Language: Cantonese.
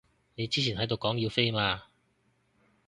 你之前喺呢度講要飛嘛